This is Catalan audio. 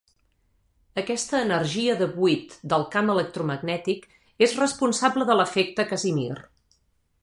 Aquesta energia de buit del camp electromagnètic és responsable de l'efecte Casimir.